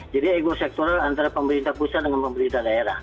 jadi ego sektoral antara pemerintah pusat dengan pemerintah daerah